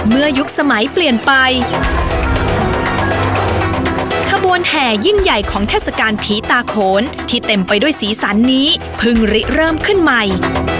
ยุคสมัยเปลี่ยนไปขบวนแห่ยิ่งใหญ่ของเทศกาลผีตาโขนที่เต็มไปด้วยสีสันนี้เพิ่งริเริ่มขึ้นใหม่